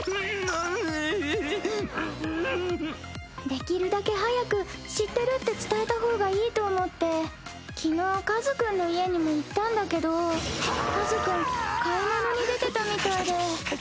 できるだけ早く知ってるって伝えた方がいいと思って昨日和君の家にも行ったんだけど和君買い物に出てたみたいで。